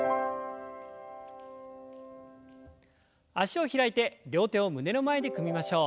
脚を開いて両手を胸の前で組みましょう。